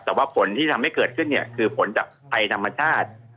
แต่ว่าผลที่ทำให้เกิดขึ้นเนี่ยคือผลจากภัยธรรมชาติ